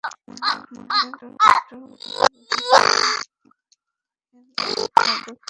মাদারবোর্ডগুলোর বৈশিষ্ট্য তুলে ধরেন এমএসআই দক্ষিণ এশিয়ার বিপণন বিশেষজ্ঞ কেন সাং।